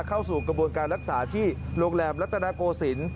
เข้าสู่กระบวนการรักษาที่โรงแรมรัฐนาโกศิลป